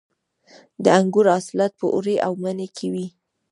د انګورو حاصلات په اوړي او مني کې وي.